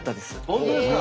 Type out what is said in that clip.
本当ですか！